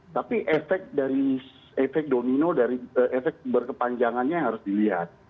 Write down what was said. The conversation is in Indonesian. tapi efek domino efek berkepanjangannya harus dilihat